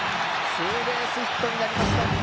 ツーベースヒットになりました。